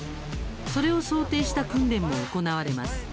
それを想定した訓練も行われます。